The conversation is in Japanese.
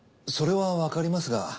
それはわかりますが。